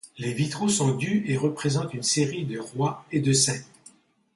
Les vitraux sont du et représentent une série de rois et de saints.